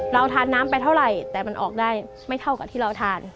เราทานน้ำไปเท่าไหร่แต่มันออกได้ไม่เท่ากับที่เราทาน